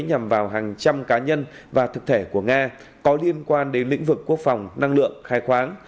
nhằm vào hàng trăm cá nhân và thực thể của nga có liên quan đến lĩnh vực quốc phòng năng lượng khai khoáng